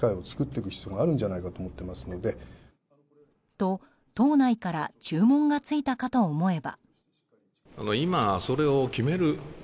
と、党内から注文がついたかと思えば。